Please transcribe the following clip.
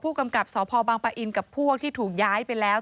กำกับสพบังปะอินกับพวกที่ถูกย้ายไปแล้ว